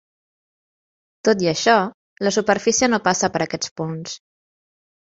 Tot i això, la superfície no passa per aquests punts.